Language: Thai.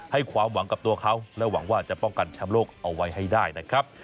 ความหวังกับตัวเขาและหวังว่าจะป้องกันแชมป์โลกเอาไว้ให้ได้นะครับ